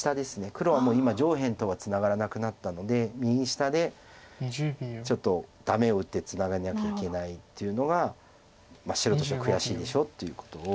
黒はもう今上辺とはツナがらなくなったので右下でちょっとダメを打ってツナがなきゃいけないっていうのが白としては悔しいでしょっていうことを。